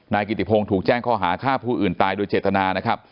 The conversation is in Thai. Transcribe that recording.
นายกิติพงศ์ถูกแจ้งข้อหาฆ่าผู้อื่นตายโดยเจตนา